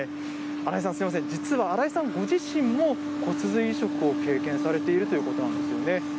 荒井さん、すみません、実は荒井さんご自身も骨髄移植を経験されているということなんですよね。